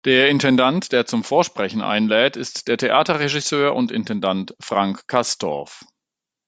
Der Intendant, der zum Vorsprechen einlädt, ist der Theaterregisseur und Intendant Frank Castorf.